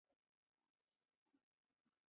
火鸡肉大多都经过食品加工。